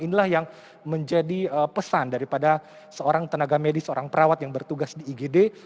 inilah yang menjadi pesan daripada seorang tenaga medis seorang perawat yang bertugas di igd